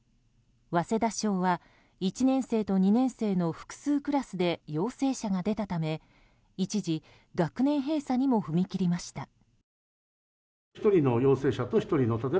早稲田小は１年生と２年生の複数クラスで陽性者が出たため、一時学年閉鎖にも踏み切りました。